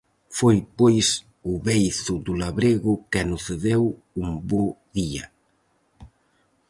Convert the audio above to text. Foi, pois, o beizo do labrego quen o cedeu un bo día.